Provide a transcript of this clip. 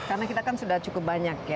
karena kita kan sudah cukup banyak ya